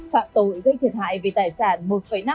phạm tội gây thiệt hại về tài sản